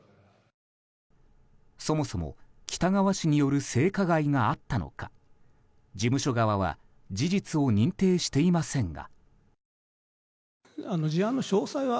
そもそも喜多川氏による性加害があったのか事務所側は事実を認定していませんが。